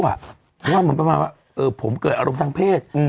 เพราะว่าเหมือนประมาณว่าผมเกิดอารมณ์ทางเพศ